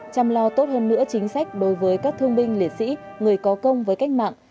chăm lo tốt hơn nữa chính sách đối với các thương binh liệt sĩ người có công với cách mạng